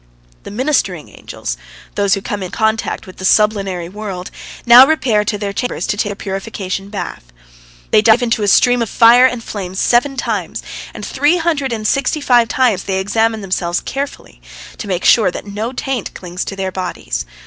The ministering angels, those who come in contact with the sublunary world, now repair to their chambers to take their purification bath. They dive into a stream of fire and flame seven times, and three hundred and sixty five times they examine themselves carefully, to make sure that no taint clings to their bodies.